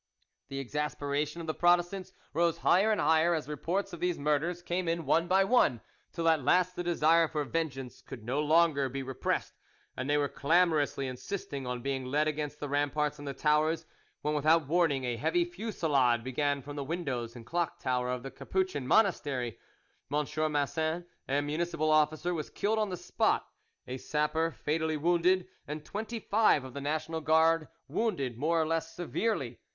The exasperation of the Protestants rose higher and higher as reports of these murders came in one by one, till at last the desire for vengeance could no longer be repressed, and they were clamorously insisting on being led against the ramparts and the towers, when without warning a heavy fusillade began from the windows and the clock tower of the Capuchin monastery. M. Massin, a municipal officer, was killed on the spot, a sapper fatally wounded, and twenty five of the National Guard wounded more or less severely.